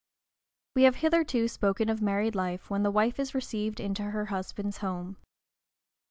We have hitherto spoken of married life when the wife is received into her husband's home.